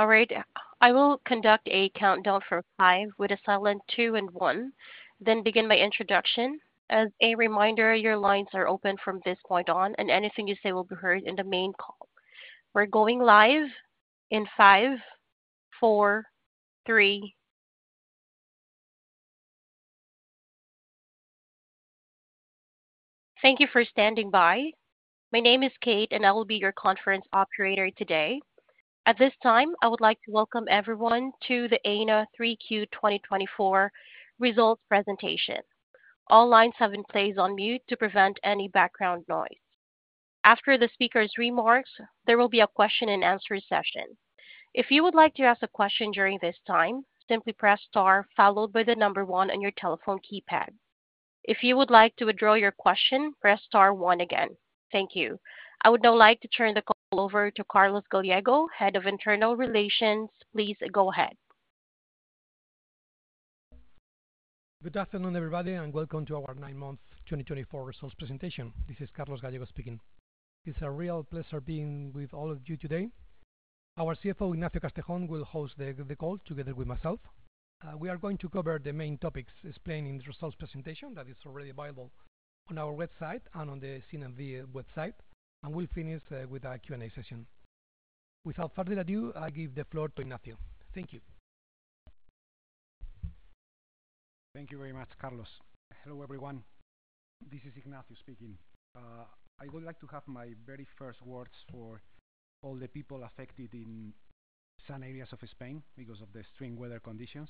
All right. I will conduct a countdown from five with a silent two and one, then begin my introduction. As a reminder, your lines are open from this point on, and anything you say will be heard in the main call. We're going live in five, four, three. Thank you for standing by. My name is Kate, and I will be your conference operator today. At this time, I would like to welcome everyone to the Aena 3Q 2024 results presentation. All lines have been placed on mute to prevent any background noise. After the speaker's remarks, there will be a question-and-answer session. If you would like to ask a question during this time, simply press star followed by the number one on your telephone keypad. If you would like to withdraw your question, press star one again. Thank you. I would now like to turn the call over to Carlos Gallego, Head of Investor Relations. Please go ahead. Good afternoon, everybody, and welcome to our nine-month 2024 results presentation. This is Carlos Gallego speaking. It's a real pleasure being with all of you today. Our CFO, Ignacio Castejón, will host the call together with myself. We are going to cover the main topics explained in the results presentation that is already available on our website and on the CNMV website, and we'll finish with a Q&A session. Without further ado, I give the floor to Ignacio. Thank you. Thank you very much, Carlos. Hello, everyone. This is Ignacio speaking. I would like to have my very first words for all the people affected in some areas of Spain because of the extreme weather conditions.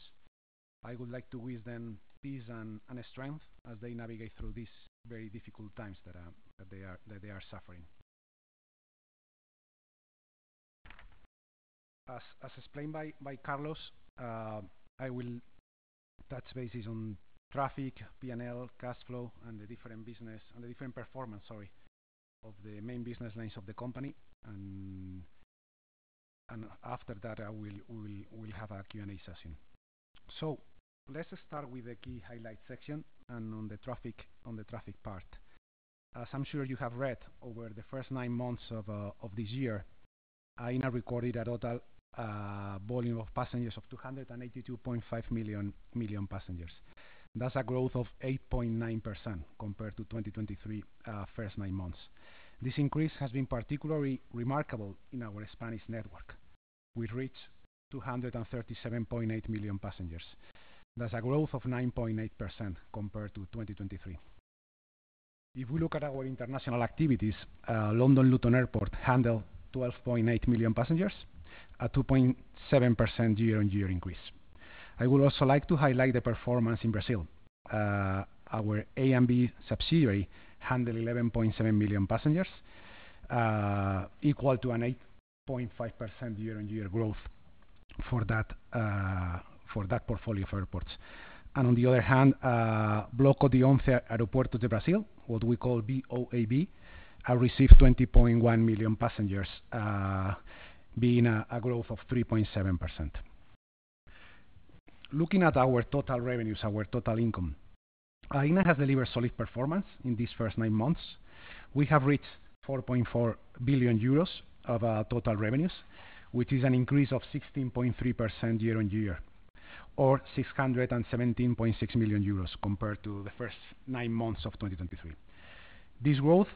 I would like to wish them peace and strength as they navigate through these very difficult times that they are suffering. As explained by Carlos, I will touch bases on traffic, P&L, cash flow, and the different business and the different performance, sorry, of the main business lines of the company, and after that, we'll have a Q&A session, so let's start with the key highlight section and on the traffic part. As I'm sure you have read, over the first nine months of this year, Aena recorded a total volume of passengers of 282.5 million passengers. That's a growth of 8.9% compared to 2023 first nine months. This increase has been particularly remarkable in our Spanish network. We reached 237.8 million passengers. That's a growth of 9.8% compared to 2023. If we look at our international activities, London Luton Airport handled 12.8 million passengers, a 2.7% year-on-year increase. I would also like to highlight the performance in Brazil. Our ANB subsidiary handled 11.7 million passengers, equal to an 8.5% year-on-year growth for that portfolio of airports. And on the other hand, Bloco de Onze Aeroportos do Brasil, what we call BOAB, received 20.1 million passengers, being a growth of 3.7%. Looking at our total revenues, our total income, Aena has delivered solid performance in these first nine months. We have reached 4.4 billion euros of total revenues, which is an increase of 16.3% year-on-year, or 617.6 million euros compared to the first nine months of 2023. This growth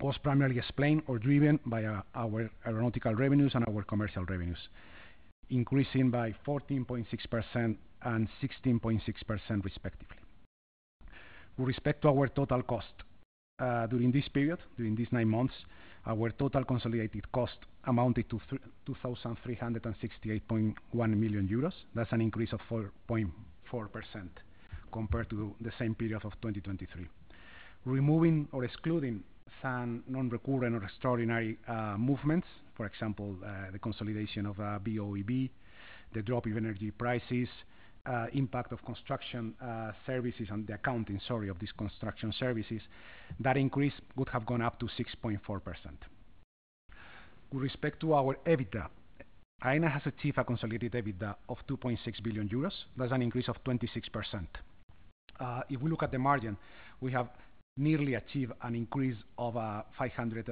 was primarily explained or driven by our aeronautical revenues and our commercial revenues, increasing by 14.6% and 16.6%, respectively. With respect to our total cost during this period, during these nine months, our total consolidated cost amounted to 2,368.1 million euros. That's an increase of 4.4% compared to the same period of 2023. Removing or excluding some non-recurrent or extraordinary movements, for example, the consolidation of BOAB, the drop in energy prices, impact of construction services, and the accounting, sorry, of these construction services, that increase would have gone up to 6.4%. With respect to our EBITDA, Aena has achieved a consolidated EBITDA of 2.6 billion euros. That's an increase of 26%. If we look at the margin, we have nearly achieved an increase of 500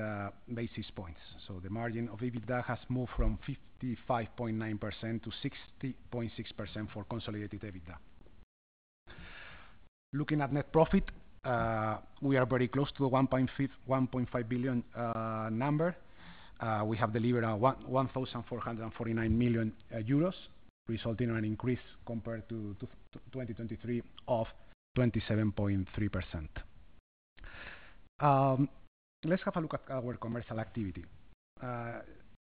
basis points. So the margin of EBITDA has moved from 55.9% to 60.6% for consolidated EBITDA. Looking at net profit, we are very close to the 1.5 billion number. We have delivered 1,449 million euros, resulting in an increase compared to 2023 of 27.3%. Let's have a look at our commercial activity.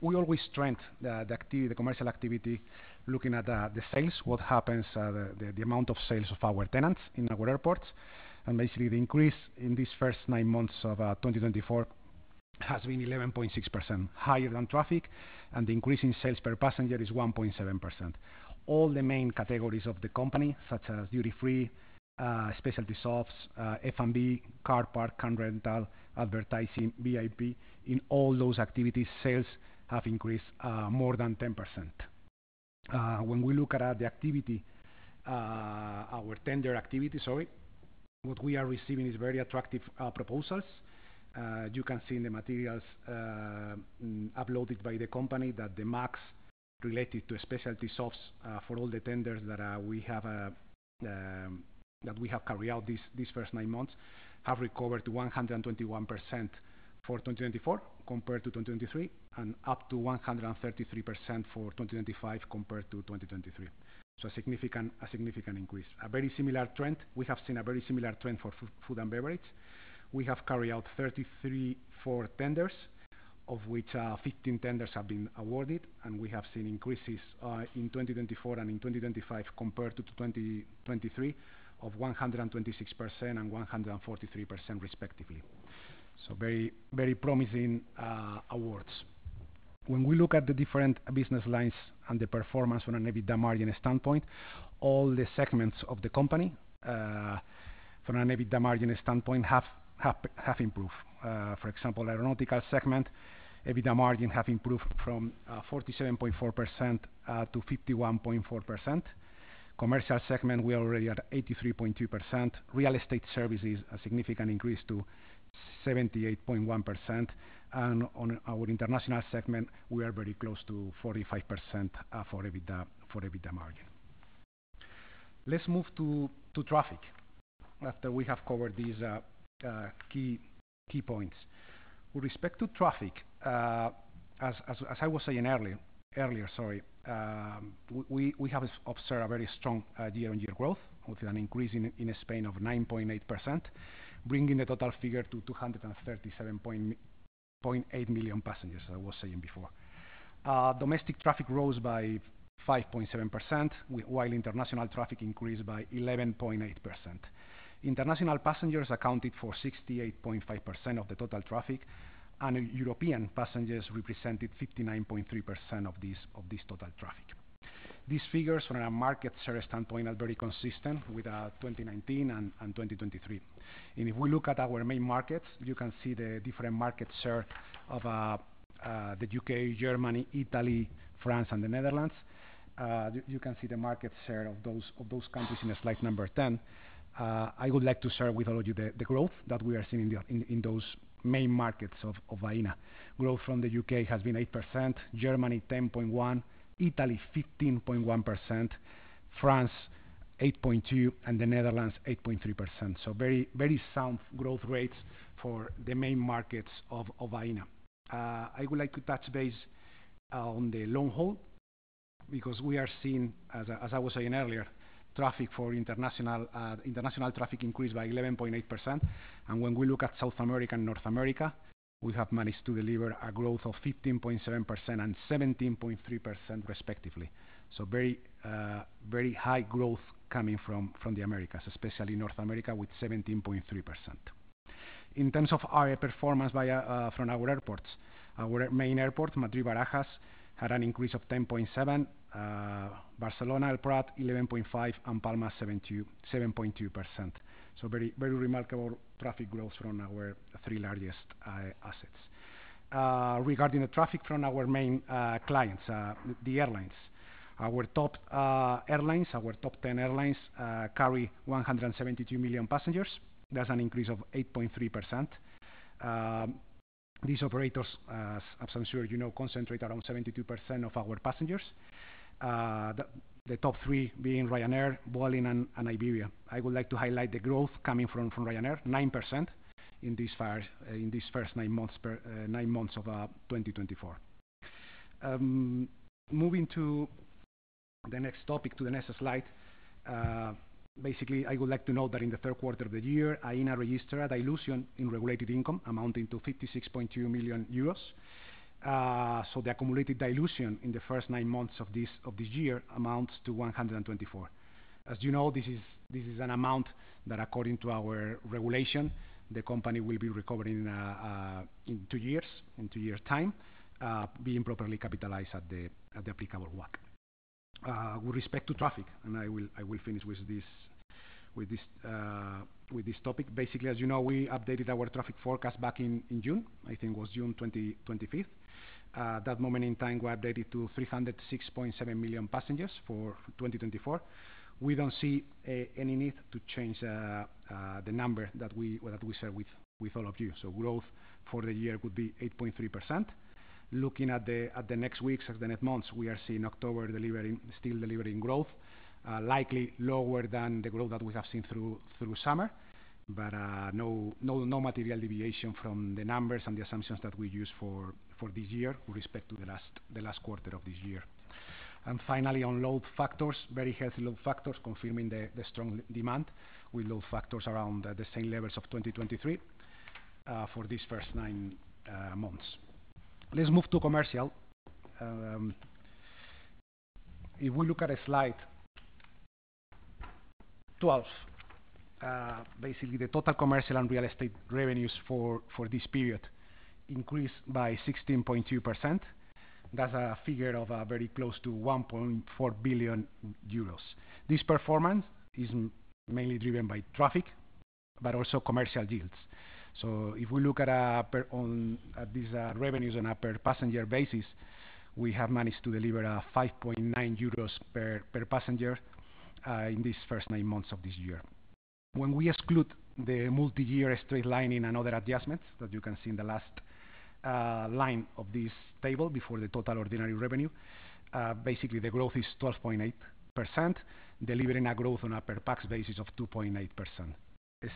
We always strengthen the commercial activity looking at the sales, what happens, the amount of sales of our tenants in our airports. And basically, the increase in these first nine months of 2024 has been 11.6%, higher than traffic, and the increase in sales per passenger is 1.7%. All the main categories of the company, such as duty-free, specialty shops, F&B, car park, car rental, advertising, VIP, in all those activities, sales have increased more than 10%. When we look at the activity, our tender activity, sorry, what we are receiving is very attractive proposals. You can see in the materials uploaded by the company that the MAG related to specialty shops for all the tenders that we have carried out these first nine months have recovered to 121% for 2024 compared to 2023, and up to 133% for 2025 compared to 2023. So a significant increase. A very similar trend, we have seen a very similar trend for food and beverage. We have carried out 33 F&B tenders, of which 15 tenders have been awarded, and we have seen increases in 2024 and in 2025 compared to 2023 of 126% and 143%, respectively. So very promising awards. When we look at the different business lines and the performance from an EBITDA margin standpoint, all the segments of the company from an EBITDA margin standpoint have improved. For example, aeronautical segment, EBITDA margin have improved from 47.4% to 51.4%. Commercial segment, we are already at 83.2%. Real estate services, a significant increase to 78.1%. And on our international segment, we are very close to 45% for EBITDA margin. Let's move to traffic after we have covered these key points. With respect to traffic, as I was saying earlier, sorry, we have observed a very strong year-on-year growth with an increase in Spain of 9.8%, bringing the total figure to 237.8 million passengers, as I was saying before. Domestic traffic rose by 5.7%, while international traffic increased by 11.8%. International passengers accounted for 68.5% of the total traffic, and European passengers represented 59.3% of this total traffic. These figures, from a market share standpoint, are very consistent with 2019 and 2023. And if we look at our main markets, you can see the different market share of the U.K., Germany, Italy, France, and the Netherlands. You can see the market share of those countries in slide number 10. I would like to share with all of you the growth that we are seeing in those main markets of Aena. Growth from the U.K. has been 8%, Germany 10.1%, Italy 15.1%, France 8.2%, and the Netherlands 8.3%, so very sound growth rates for the main markets of Aena. I would like to touch base on the long haul because we are seeing, as I was saying earlier, international traffic increased by 11.8%, and when we look at South America and North America, we have managed to deliver a growth of 15.7% and 17.3%, respectively. So very high growth coming from the Americas, especially North America with 17.3%. In terms of our performance from our airports, our main airport, Madrid-Barajas, had an increase of 10.7%. Barcelona-El Prat, 11.5%, and Palma, 7.2%. Very remarkable traffic growth from our three largest assets. Regarding the traffic from our main clients, the airlines, our top airlines, our top 10 airlines carry 172 million passengers. That's an increase of 8.3%. These operators, as I'm sure you know, concentrate around 72% of our passengers. The top three being Ryanair, Vueling, and Iberia. I would like to highlight the growth coming from Ryanair, 9% in these first nine months of 2024. Moving to the next topic, to the next slide. Basically, I would like to note that in the third quarter of the year, Aena registered a dilution in regulated income amounting to 56.2 million euros. So the accumulated dilution in the first nine months of this year amounts to 124 million. As you know, this is an amount that, according to our regulation, the company will be recovering in two years, in two years' time, being properly capitalized at the applicable one. With respect to traffic, and I will finish with this topic. Basically, as you know, we updated our traffic forecast back in June. I think it was June 25th. At that moment in time, we updated to 306.7 million passengers for 2024. We don't see any need to change the number that we share with all of you. So growth for the year would be 8.3%. Looking at the next weeks, at the next months, we are seeing October still delivering growth, likely lower than the growth that we have seen through summer, but no material deviation from the numbers and the assumptions that we used for this year with respect to the last quarter of this year. And finally, on load factors, very healthy load factors confirming the strong demand. We load factors around the same levels of 2023 for these first nine months. Let's move to commercial. If we look at slide 12, basically the total commercial and real estate revenues for this period increased by 16.2%. That's a figure of very close to 1.4 billion euros. This performance is mainly driven by traffic, but also commercial yields. So if we look at these revenues on a per passenger basis, we have managed to deliver 5.9 euros per passenger in these first nine months of this year. When we exclude the multi-year straight line and other adjustments that you can see in the last line of this table before the total ordinary revenue, basically the growth is 12.8%, delivering a growth on a per pax basis of 2.8%.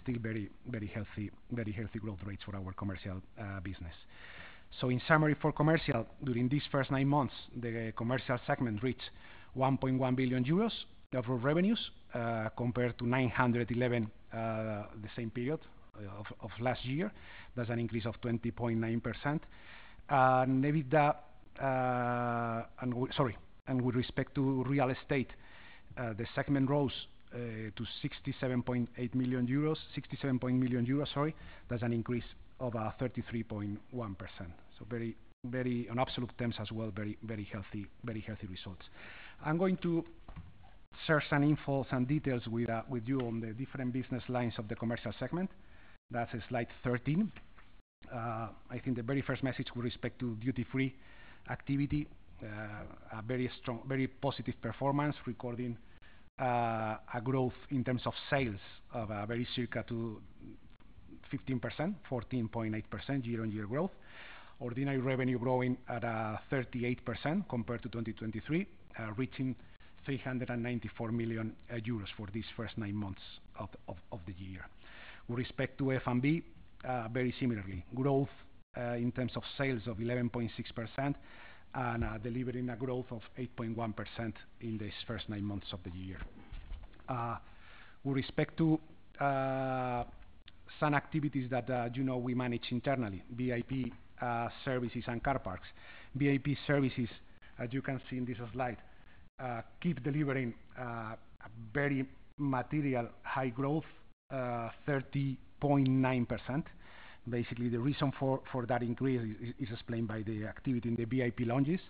Still very healthy growth rates for our commercial business. So in summary for commercial, during these first nine months, the commercial segment reached 1.1 billion euros of revenues compared to 911 million the same period of last year. That's an increase of 20.9%. And with respect to real estate, the segment rose to 67.8 million euros, 67.1 million euros, sorry. That's an increase of 33.1%. So in absolute terms as well, very healthy results. I'm going to share some info and details with you on the different business lines of the commercial segment. That's slide 13. I think the very first message with respect to duty-free activity, a very positive performance recording a growth in terms of sales of very close to 15%, 14.8% year-on-year growth. Ordinary revenue growing at 38% compared to 2023, reaching 394 million euros for these first nine months of the year. With respect to F&B, very similarly, growth in terms of sales of 11.6% and delivering a growth of 8.1% in these first nine months of the year, and with respect to car park, that is the other business lines that we manage, you can see in this slide 13, the increase in our ordinary revenue of, sorry, 13.5%, sorry. With respect to some activities that we manage internally, VIP services and car parks. VIP services, as you can see in this slide, keep delivering very material high growth, 30.9%. Basically, the reason for that increase is explained by the activity in the VIP lounges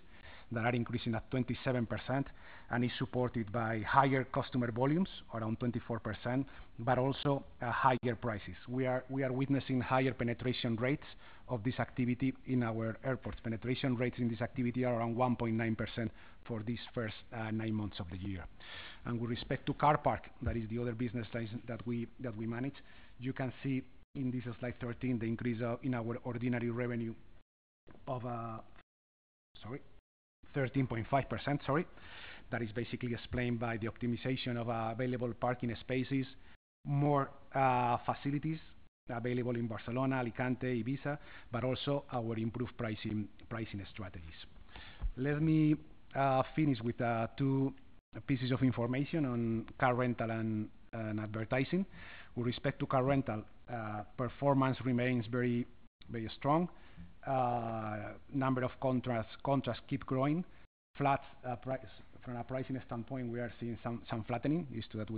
that are increasing at 27% and is supported by higher customer volumes, around 24%, but also higher prices. We are witnessing higher penetration rates of this activity in our airports. Penetration rates in this activity are around 1.9% for these first nine months of the year. That is basically explained by the optimization of available parking spaces, more facilities available in Barcelona, Alicante, Ibiza, but also our improved pricing strategies. Let me finish with two pieces of information on car rental and advertising. With respect to car rental, performance remains very strong. Number of contracts keep growing. Flat price. From a pricing standpoint, we are seeing some flattening due to that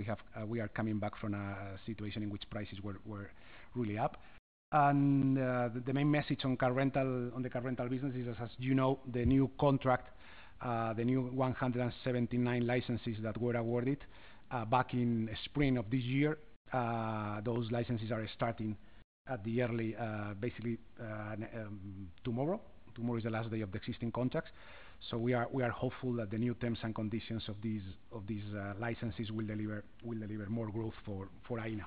we are coming back from a situation in which prices were really up, and the main message on the car rental business is, as you know, the new contract, the new 179 licenses that were awarded back in spring of this year, those licenses are starting early, basically tomorrow. Tomorrow is the last day of the existing contracts, so we are hopeful that the new terms and conditions of these licenses will deliver more growth for Aena,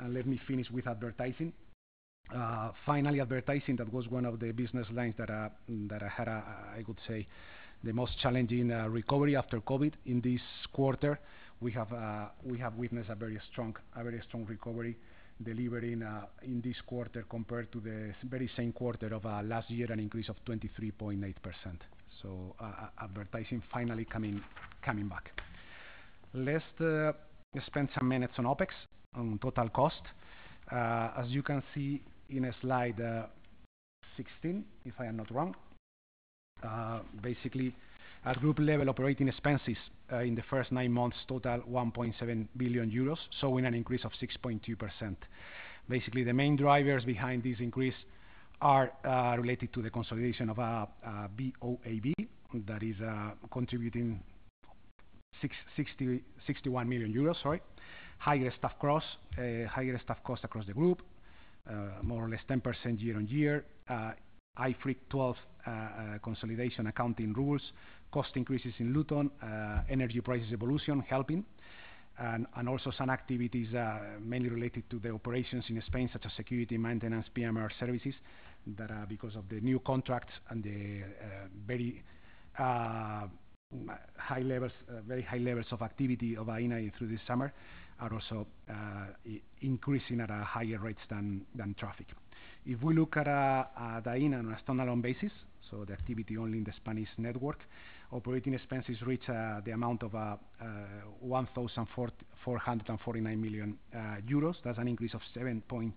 and let me finish with advertising. Finally, advertising, that was one of the business lines that had, I would say, the most challenging recovery after COVID in this quarter. We have witnessed a very strong recovery delivering in this quarter compared to the very same quarter of last year, an increase of 23.8%. So advertising finally coming back. Let's spend some minutes on OpEx, on total cost. As you can see in slide 16, if I am not wrong, basically our group level operating expenses in the first nine months total 1.7 billion euros, showing an increase of 6.2%. Basically, the main drivers behind this increase are related to the consolidation of BOAB that is contributing EUR 61 million, sorry. Higher staff cost across the group, more or less 10% year-on-year. IFRIC 12 consolidation accounting rules, cost increases in Luton, energy prices evolution helping. And also some activities mainly related to the operations in Spain, such as security maintenance, PMR services that are because of the new contracts and the very high levels of activity of Aena through this summer are also increasing at higher rates than traffic. If we look at Aena on a standalone basis, so the activity only in the Spanish network, operating expenses reach the amount of 1,449 million euros. That's an increase of 7.2%.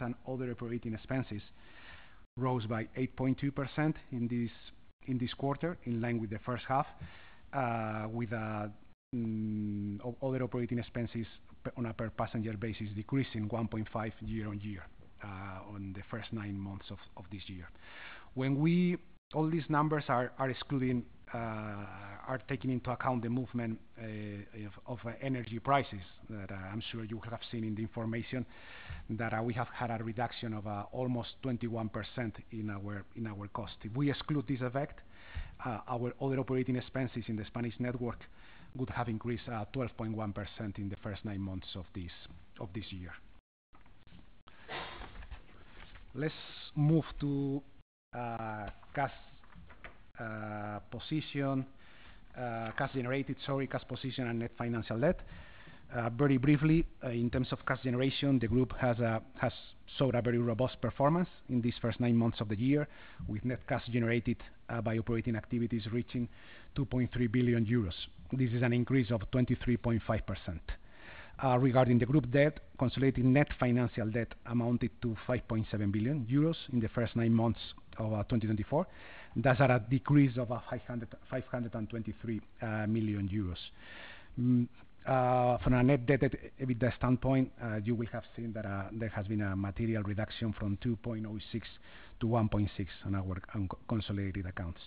And other operating expenses rose by 8.2% in this quarter, in line with the first half, with other operating expenses on a per passenger basis decreasing 1.5% year-on-year on the first nine months of this year. All these numbers are taking into account the movement of energy prices that I'm sure you have seen in the information that we have had a reduction of almost 21% in our cost. If we exclude this effect, our other operating expenses in the Spanish network would have increased 12.1% in the first nine months of this year. Let's move to cash generated, sorry, cash position and net financial debt. Very briefly, in terms of cash generation, the group has showed a very robust performance in these first nine months of the year with net cash generated by operating activities reaching 2.3 billion euros. This is an increase of 23.5%. Regarding the group debt, consolidating net financial debt amounted to 5.7 billion euros in the first nine months of 2024. That's at a decrease of 523 million euros. From a net debt standpoint, you will have seen that there has been a material reduction from 2.06 to 1.6 on our consolidated accounts.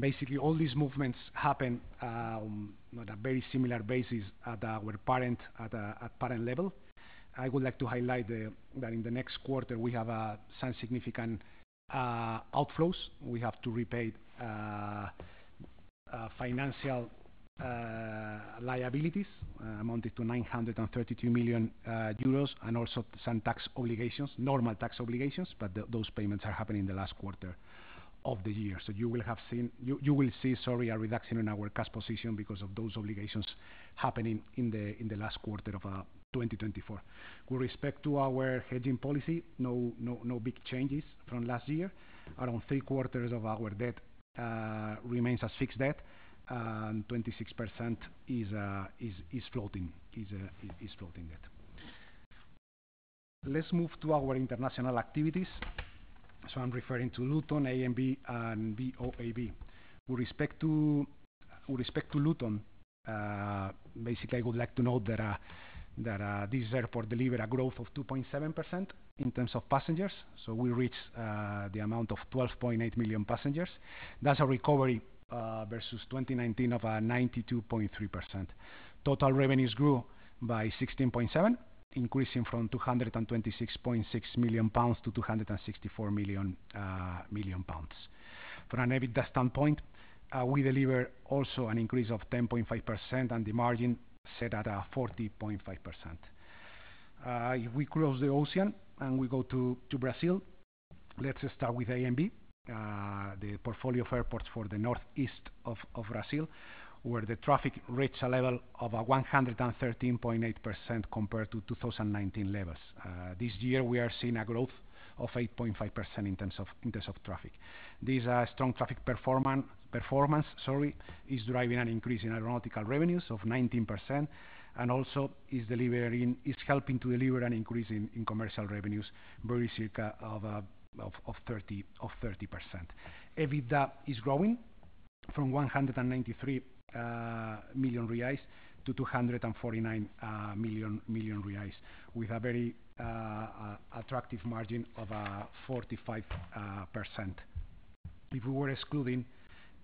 Basically, all these movements happen on a very similar basis at our parent level. I would like to highlight that in the next quarter, we have some significant outflows. We have to repay financial liabilities amounted to 932 million euros and also some tax obligations, normal tax obligations, but those payments are happening in the last quarter of the year, so you will see, sorry, a reduction in our cash position because of those obligations happening in the last quarter of 2024. With respect to our hedging policy, no big changes from last year. Around three quarters of our debt remains as fixed debt, and 26% is floating. Let's move to our international activities, so I'm referring to Luton, ANB, and BOAB. With respect to Luton, basically, I would like to note that this airport delivered a growth of 2.7% in terms of passengers, so we reached the amount of 12.8 million passengers. That's a recovery versus 2019 of 92.3%. Total revenues grew by 16.7%, increasing from 226.6 million pounds to 264 million. From an EBITDA standpoint, we deliver also an increase of 10.5% and the margin set at 40.5%. If we cross the ocean and we go to Brazil, let's start with ANB, the portfolio of airports for the northeast of Brazil, where the traffic reached a level of 113.8% compared to 2019 levels. This year, we are seeing a growth of 8.5% in terms of traffic. This strong traffic performance, sorry, is driving an increase in aeronautical revenues of 19% and also is helping to deliver an increase in commercial revenues, very circa of 30%. EBITDA is growing from 193 million reais to 249 million, with a very attractive margin of 45%. If we were excluding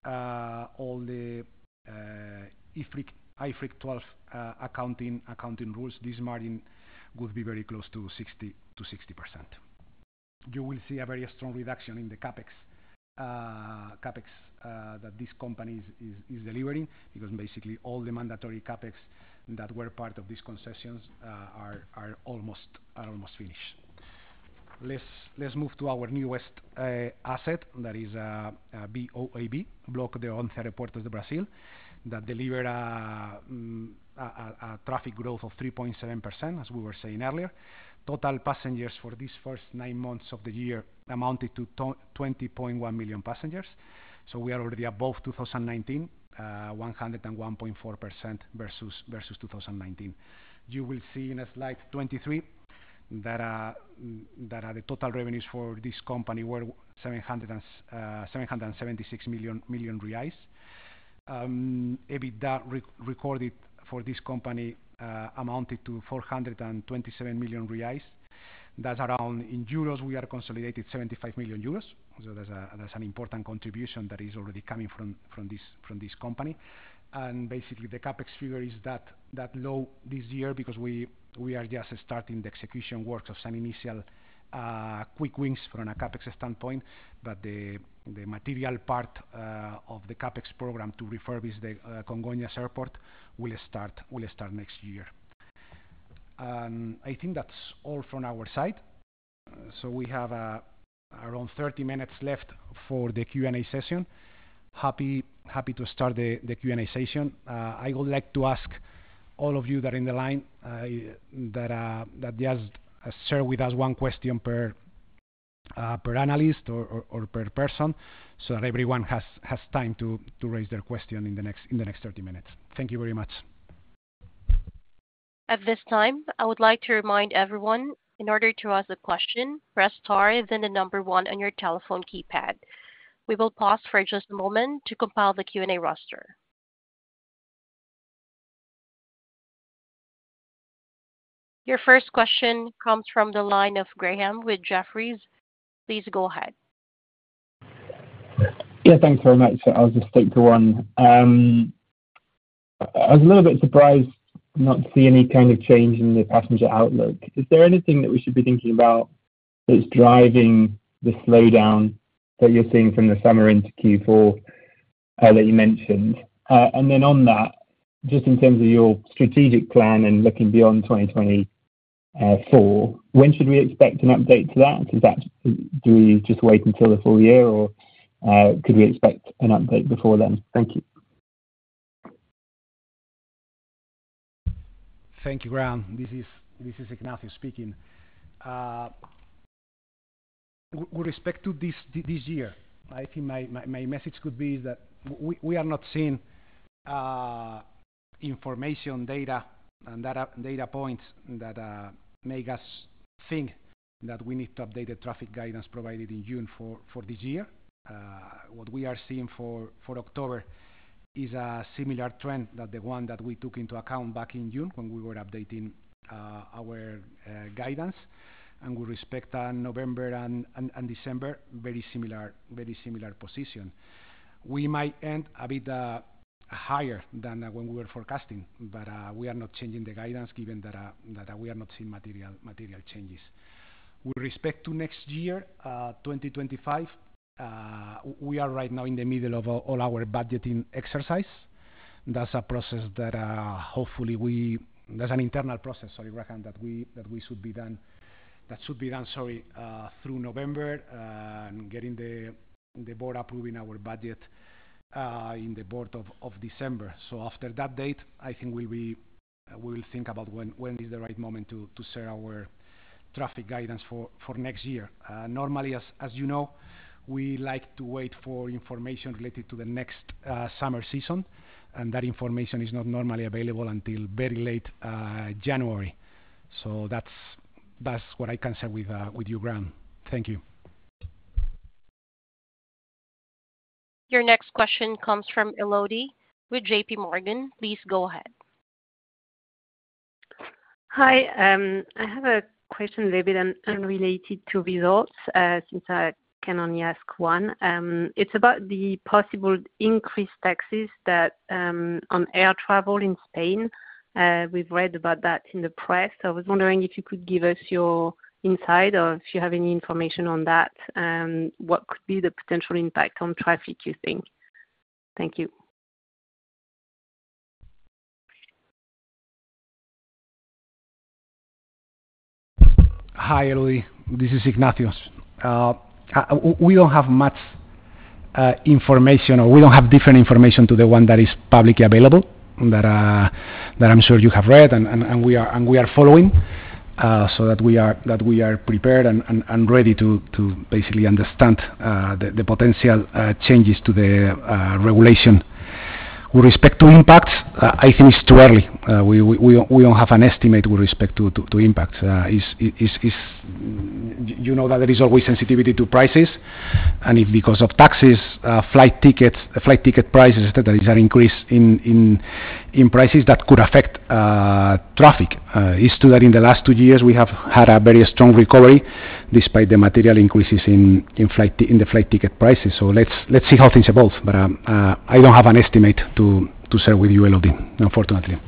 all the IFRIC 12 accounting rules, this margin would be very close to 60%. You will see a very strong reduction in the CapEx that this company is delivering because basically all the mandatory CapEx that were part of these concessions are almost finished. Let's move to our newest asset that is BOAB, Bloco de Onze Aeroportos do Brasil, that delivered a traffic growth of 3.7%, as we were saying earlier. Total passengers for these first nine months of the year amounted to 20.1 million passengers. So we are already above 2019, 101.4% versus 2019. You will see in slide 23 that the total revenues for this company were 776 million reais. EBITDA recorded for this company amounted to 427 million reais. That's around, in euros, we are consolidated 75 million euros. So that's an important contribution that is already coming from this company. And basically, the CapEx figure is that low this year because we are just starting the execution work of some initial quick wins from a CapEx standpoint, but the material part of the CapEx program to refurbish the Congonhas Airport will start next year. I think that's all from our side. So we have around 30 minutes left for the Q&A session. Happy to start the Q&A session. I would like to ask all of you that are in the line that just share with us one question per analyst or per person so that everyone has time to raise their question in the next 30 minutes. Thank you very much. At this time, I would like to remind everyone, in order to ask the question, press star and then the number one on your telephone keypad. We will pause for just a moment to compile the Q&A roster. Your first question comes from the line of Graham with Jefferies. Please go ahead. Yeah, thanks very much. So I'll just take the one. I was a little bit surprised not to see any kind of change in the passenger outlook. Is there anything that we should be thinking about that's driving the slowdown that you're seeing from the summer into Q4 that you mentioned? And then on that, just in terms of your strategic plan and looking beyond 2024, when should we expect an update to that? Do we just wait until the full year, or could we expect an update before then? Thank you. Thank you, Graham. This is Ignacio speaking. With respect to this year, I think my message could be that we are not seeing information, data, and data points that make us think that we need to update the traffic guidance provided in June for this year. What we are seeing for October is a similar trend to the one that we took into account back in June when we were updating our guidance, and with respect to November and December, very similar position. We might end a bit higher than when we were forecasting, but we are not changing the guidance given that we are not seeing material changes. With respect to next year, 2025, we are right now in the middle of all our budgeting exercise. That's an internal process, sorry, Graham, that should be done through November and getting the board approving our budget in December. So after that date, I think we will think about when is the right moment to share our traffic guidance for next year. Normally, as you know, we like to wait for information related to the next summer season, and that information is not normally available until very late January. So that's what I can say to you, Graham. Thank you. Your next question comes from Elodie with JPMorgan. Please go ahead. Hi. I have a question, David, related to results since I can only ask one. It's about the possible increased taxes on air travel in Spain. We've read about that in the press. I was wondering if you could give us your insight or if you have any information on that and what could be the potential impact on traffic, you think? Thank you. Hi, Elodie. This is Ignacio. We don't have much information, or we don't have different information to the one that is publicly available that I'm sure you have read, and we are following so that we are prepared and ready to basically understand the potential changes to the regulation. With respect to impacts, I think it's too early. We don't have an estimate with respect to impacts. You know that there is always sensitivity to prices, and if because of taxes, flight ticket prices that are increased in prices, that could affect traffic. It's true that in the last two years, we have had a very strong recovery despite the material increases in the flight ticket prices. So let's see how things evolve, but I don't have an estimate to share with you, Elodie, unfortunately.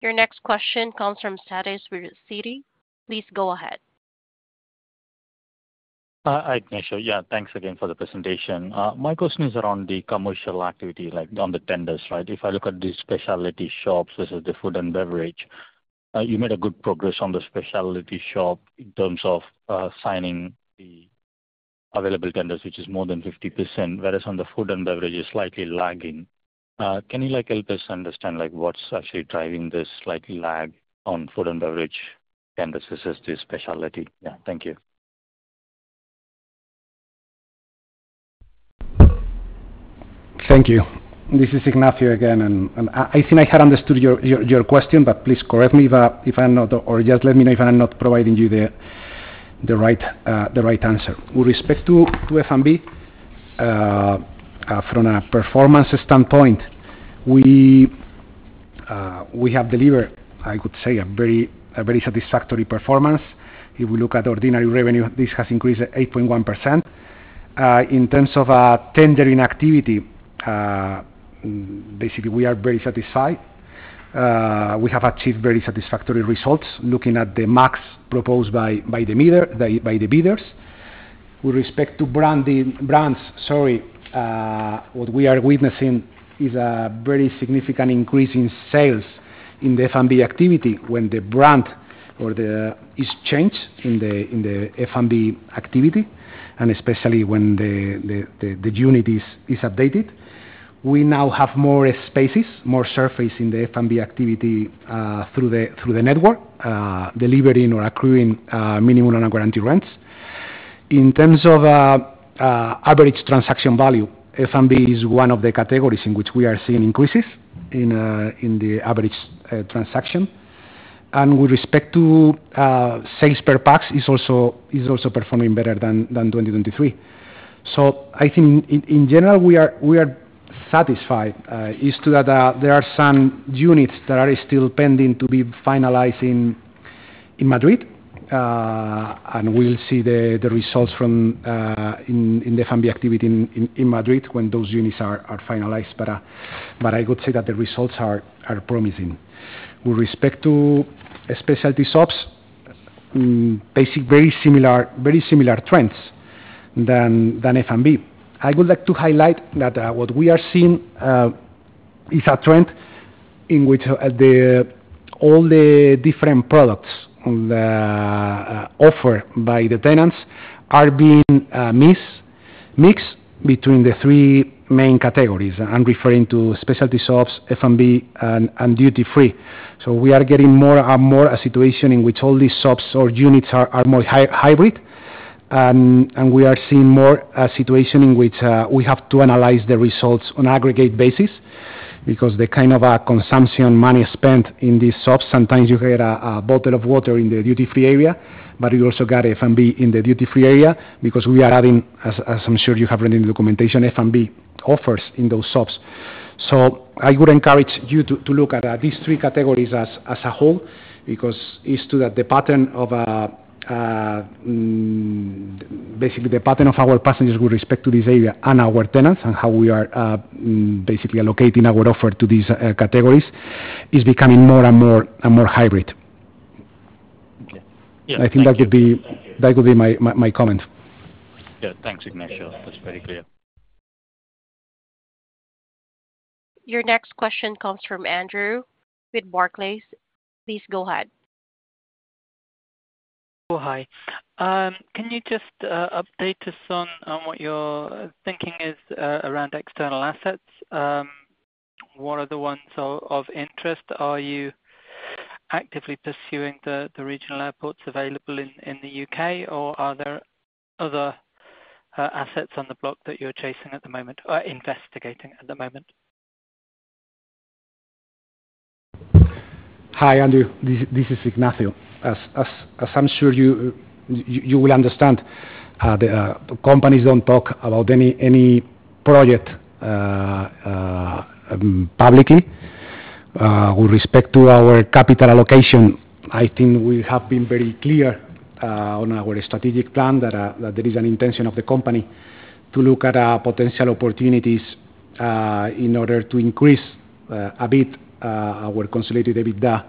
Your next question comes from Sathish with Citi. Please go ahead. Hi, Ignacio. Yeah, thanks again for the presentation. My question is around the commercial activity on the tenders, right? If I look at these specialty shops versus the food and beverage, you made good progress on the specialty shop in terms of signing the available tenders, which is more than 50%, whereas on the food and beverage, it's slightly lagging. Can you help us understand what's actually driving this slight lag on food and beverage tenders versus the specialty? Yeah, thank you. Thank you. This is Ignacio again. I think I had understood your question, but please correct me if I'm not, or just let me know if I'm not providing you the right answer. With respect to F&B, from a performance standpoint, we have delivered, I could say, a very satisfactory performance. If we look at ordinary revenue, this has increased 8.1%. In terms of tendering activity, basically, we are very satisfied. We have achieved very satisfactory results looking at the max proposed by the bidders. With respect to brands, sorry, what we are witnessing is a very significant increase in sales in the F&B activity when the brand or the exchange in the F&B activity, and especially when the unit is updated. We now have more spaces, more surface in the F&B activity through the network, delivering or accruing minimum on our guaranteed rents. In terms of average transaction value, F&B is one of the categories in which we are seeing increases in the average transaction. And with respect to sales per pax, it's also performing better than 2023. So I think, in general, we are satisfied. It's true that there are some units that are still pending to be finalized in Madrid, and we'll see the results in the F&B activity in Madrid when those units are finalized, but I could say that the results are promising. With respect to specialty shops, basically very similar trends than F&B. I would like to highlight that what we are seeing is a trend in which all the different products offered by the tenants are being mixed between the three main categories. I'm referring to specialty shops, F&B, and duty-free. So we are getting more and more a situation in which all these shops or units are more hybrid, and we are seeing more a situation in which we have to analyze the results on an aggregate basis because the kind of consumption, money spent in these shops. Sometimes you get a bottle of water in the duty-free area, but you also got F&B in the duty-free area because we are adding, as I'm sure you have read in the documentation, F&B offers in those shops. So I would encourage you to look at these three categories as a whole because it's true that the pattern basically of our passengers with respect to this area and our tenants and how we are basically allocating our offer to these categories is becoming more and more hybrid. I think that could be my comment. Yeah, thanks, Ignacio. That's very clear. Your next question comes from Andrew with Barclays. Please go ahead. Hi. Can you just update us on what your thinking is around external assets? What are the ones of interest? Are you actively pursuing the regional airports available in the U.K., or are there other assets on the block that you're chasing at the moment or investigating at the moment? Hi, Andrew. This is Ignacio. As I'm sure you will understand, companies don't talk about any project publicly. With respect to our capital allocation, I think we have been very clear on our strategic plan that there is an intention of the company to look at potential opportunities in order to increase a bit our consolidated EBITDA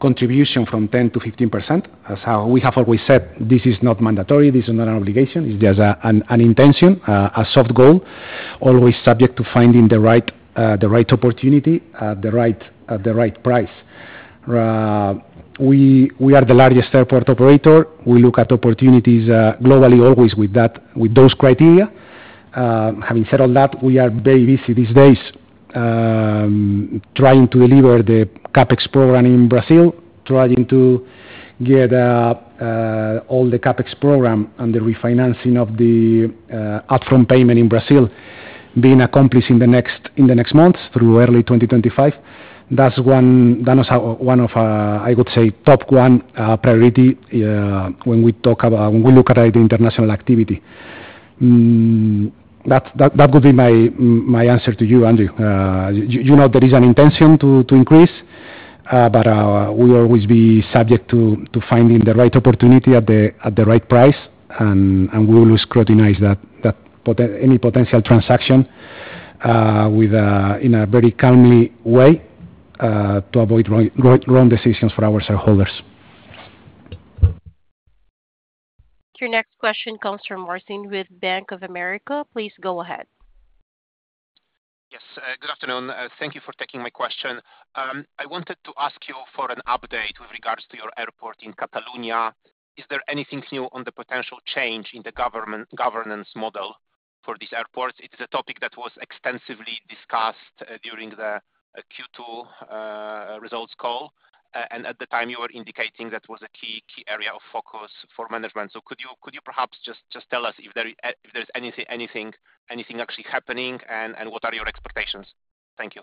contribution from 10 to 15%. As we have always said, this is not mandatory. This is not an obligation. It's just an intention, a soft goal, always subject to finding the right opportunity at the right price. We are the largest airport operator. We look at opportunities globally always with those criteria. Having said all that, we are very busy these days trying to deliver the CapEx program in Brazil, trying to get all the CapEx program and the refinancing of the upfront payment in Brazil being accomplished in the next months through early 2025. That's one of, I would say, top-one priorities when we look at the international activity. That would be my answer to you, Andrew. There is an intention to increase, but we will always be subject to finding the right opportunity at the right price, and we will scrutinize any potential transaction in a very calm way to avoid wrong decisions for our shareholders. Your next question comes from Marcin with Bank of America. Please go ahead. Yes. Good afternoon. Thank you for taking my question. I wanted to ask you for an update with regards to your airport in Catalonia. Is there anything new on the potential change in the governance model for these airports? It is a topic that was extensively discussed during the Q2 results call, and at the time, you were indicating that was a key area of focus for management. So could you perhaps just tell us if there is anything actually happening, and what are your expectations? Thank you.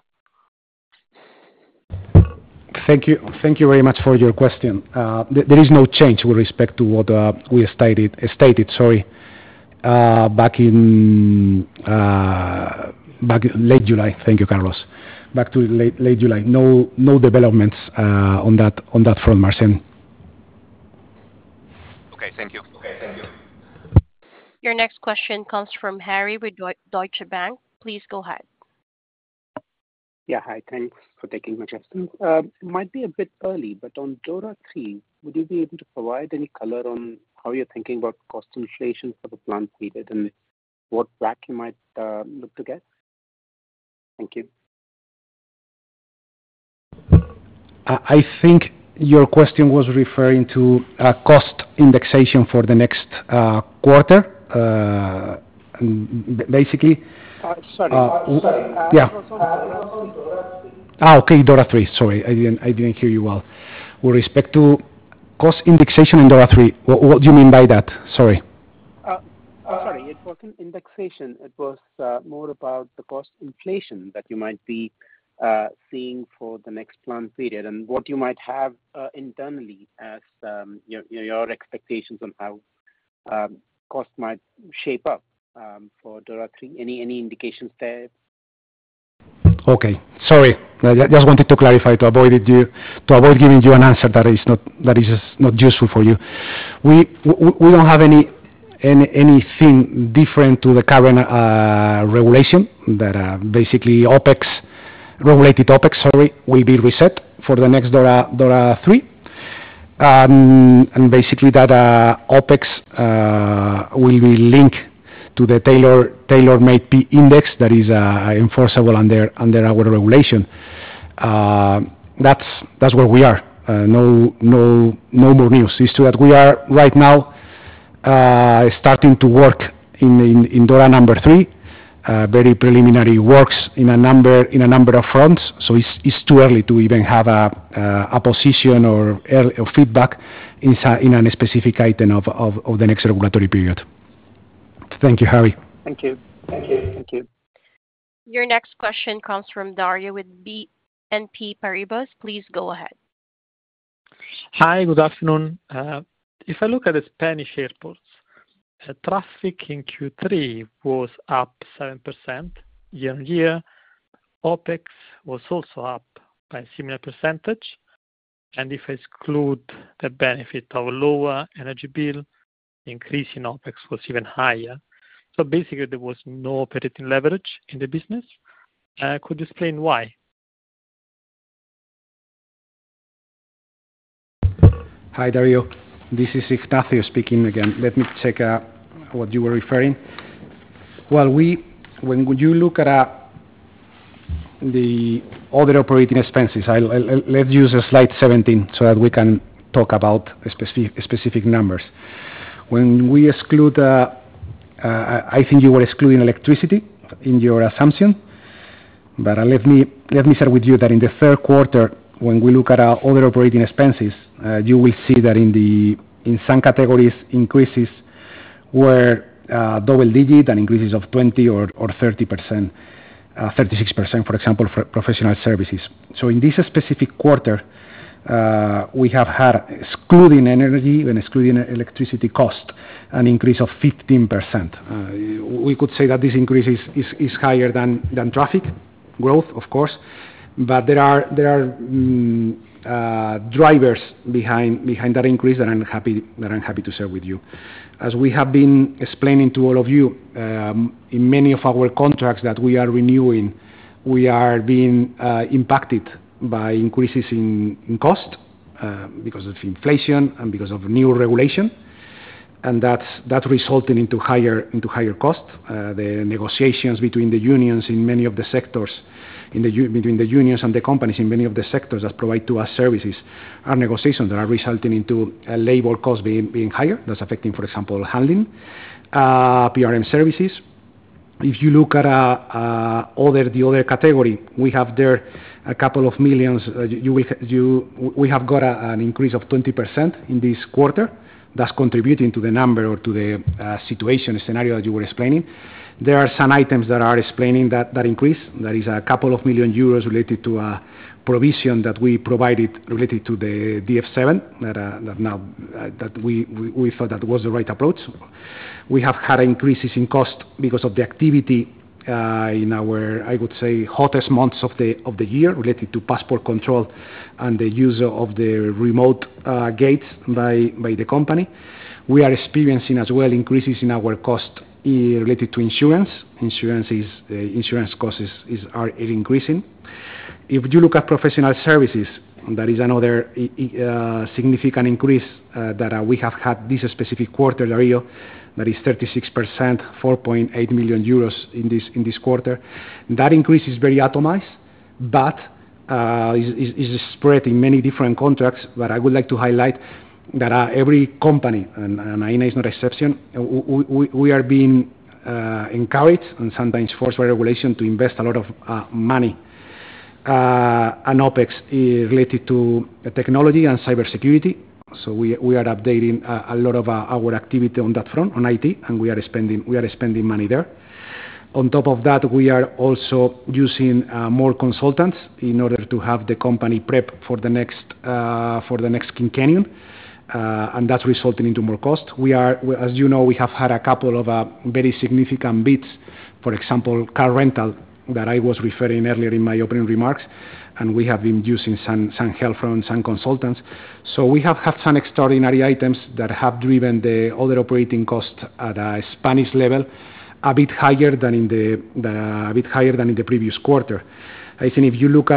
Thank you very much for your question. There is no change with respect to what we stated, sorry, back in late July. Thank you, Carlos. Back to late July. No developments on that front, Marcin. Okay. Thank you. Okay. Thank you. Your next question comes from Harish with Deutsche Bank. Please go ahead. Yeah. Hi. Thanks for taking my question. It might be a bit early, but on DORA 3, would you be able to provide any color on how you're thinking about cost inflation for the plans needed and what payback you might look to get? Thank you. I think your question was referring to cost indexation for the next quarter, basically. Sorry. Yeah. Okay. DORA 3. Sorry. I didn't hear you well. With respect to cost indexation in DORA 3, what do you mean by that? Sorry. Sorry. It wasn't indexation. It was more about the cost inflation that you might be seeing for the next plan period and what you might have internally as your expectations on how cost might shape up for DORA 3. Any indications there? Okay. Sorry. I just wanted to clarify to avoid giving you an answer that is not useful for you. We don't have anything different to the current regulation that basically regulated OpEx. Sorry, it will be reset for the next DORA 3. And basically, that OpEx will be linked to the tailor-made P index that is enforceable under our regulation. That's where we are. No more news. It's true that we are right now starting to work in DORA number 3, very preliminary works in a number of fronts. So it's too early to even have a position or feedback in a specific item of the next regulatory period. Thank you, Harish. Thank you. Thank you. Thank you. Your next question comes from Dario with BNP Paribas. Please go ahead. Hi. Good afternoon. If I look at the Spanish airports, traffic in Q3 was up 7% year-on-year. OpEx was also up by a similar percentage. And if I exclude the benefit of lower energy bill, increasing OpEx was even higher. So basically, there was no operating leverage in the business. I could explain why. Hi, Dario. This is Ignacio speaking again. Let me check what you were referring to. Well, when you look at the other operating expenses, let's use slide 17 so that we can talk about specific numbers. When we exclude, I think you were excluding electricity in your assumption, but let me share with you that in the third quarter, when we look at other operating expenses, you will see that in some categories, increases were double-digit and increases of 20% or 30%, 36%, for example, for professional services. So in this specific quarter, we have had, excluding energy and excluding electricity cost, an increase of 15%. We could say that this increase is higher than traffic growth, of course, but there are drivers behind that increase that I'm happy to share with you. As we have been explaining to all of you, in many of our contracts that we are renewing, we are being impacted by increases in cost because of inflation and because of new regulation, and that's resulting into higher costs. The negotiations between the unions in many of the sectors, between the unions and the companies in many of the sectors that provide to us services, are negotiations that are resulting into labor costs being higher. That's affecting, for example, handling, PMR services. If you look at the other category, we have there a couple of millions. We have got an increase of 20% in this quarter that's contributing to the number or to the situation, scenario that you were explaining. There are some items that are explaining that increase. That is a couple of million euros related to a provision that we provided related to the DF7 that we thought that was the right approach. We have had increases in cost because of the activity in our, I would say, hottest months of the year related to passport control and the use of the remote gates by the company. We are experiencing as well increases in our cost related to insurance. Insurance costs are increasing. If you look at professional services, that is another significant increase that we have had this specific quarter, Dario, that is 36%, 4.8 million euros in this quarter. That increase is very atomized, but it's spread in many different contracts. But I would like to highlight that every company, and Aena is no exception, we are being encouraged and sometimes forced by regulation to invest a lot of money in OpEx related to technology and cybersecurity. So we are updating a lot of our activity on that front, on IT, and we are spending money there. On top of that, we are also using more consultants in order to have the company prepped for the next quinquennium, and that's resulting in more cost. As you know, we have had a couple of very significant bids, for example, car rental that I was referring earlier in my opening remarks, and we have been using some help from some consultants. We have had some extraordinary items that have driven the other operating costs at a Spanish level a bit higher than in the previous quarter. I think if you look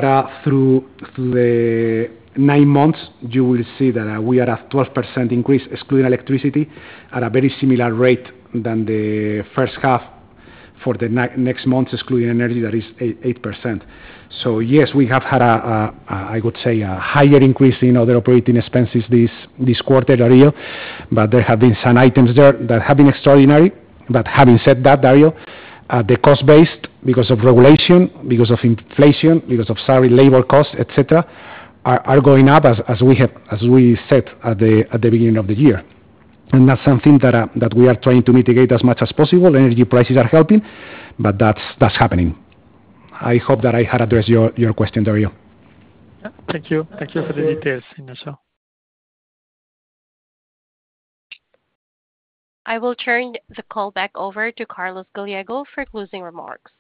through the nine months, you will see that we are at 12% increase, excluding electricity, at a very similar rate than the first half for the next months, excluding energy, that is 8%. Yes, we have had, I would say, a higher increase in other operating expenses this quarter, Dario, but there have been some items there that have been extraordinary. Having said that, Dario, the cost-based, because of regulation, because of inflation, because of, sorry, labor costs, etc., are going up as we said at the beginning of the year. That's something that we are trying to mitigate as much as possible. Energy prices are helping, but that's happening. I hope that I had addressed your question, Dario. Thank you. Thank you for the details, Ignacio. I will turn the call back over to Carlos Gallego for closing remarks.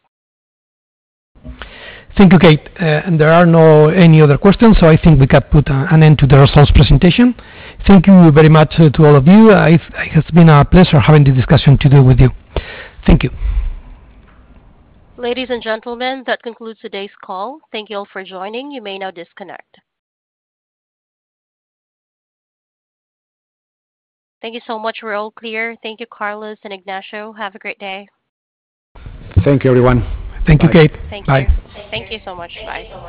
Thank you, Kate. There are no other questions, so I think we can put an end to the results presentation. Thank you very much to all of you. It has been a pleasure having this discussion with you. Thank you. Ladies and gentlemen, that concludes today's call. Thank you all for joining. You may now disconnect. Thank you so much. We're all clear. Thank you, Carlos and Ignacio. Have a great day. Thank you, everyone. Thank you, Kate. Bye. Thank you. Thank you so much. Bye.